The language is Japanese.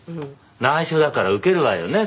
内緒だからウケるわよね